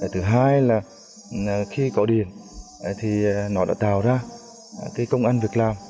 thứ hai là khi có điện thì nó đã tạo ra cái công ăn việc làm